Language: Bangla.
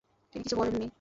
তিনি কিছু বলেননি।